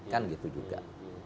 kan gitu juga